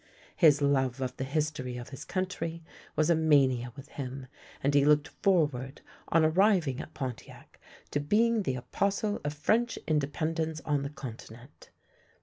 His love of the history of his country was a mania with him, and he looked forward, on arriving at Pontiac, to being the apostle of French independence on the Con tinent.